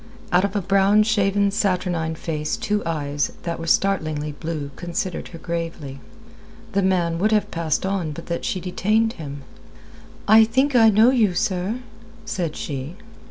Out of a brown, shaven, saturnine face two eyes that were startlingly blue considered her gravely. The man would have passed on but that she detained him. "I think I know you, sir," said she.